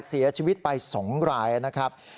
เสียชีวิตไป๒รายนะครับ